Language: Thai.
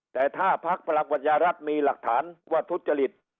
แต่ถ้าภักรณ์ประหลักวัญญารัฐมีหลักฐานว่าทุจริต